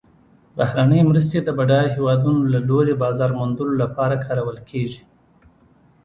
بهرنۍ مرستې د بډایه هیوادونو له لوري بازار موندلو لپاره کارول کیږي.